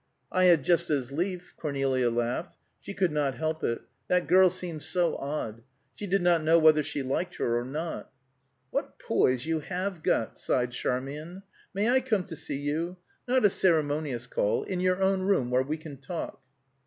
"I had just as lief." Cornelia laughed; she could not help it; that girl seemed so odd; she did not know whether she liked her or not. "What poise you have got!" sighed Charmian. "May I come to see you? Not a ceremonious call. In your own room; where we can talk."